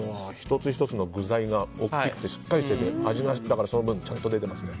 １つ１つの具材が大きくてしっかりしていて味がその分ちゃんと出ていますね。